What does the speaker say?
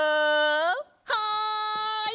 はい！